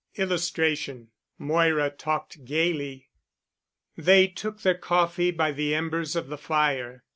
[Illustration: MOIRA TALKED GAYLY] They took their coffee by the embers of the fire.